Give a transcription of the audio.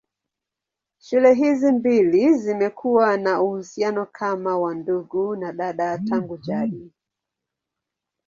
Shule hizi mbili zimekuwa na uhusiano kama wa ndugu na dada tangu jadi.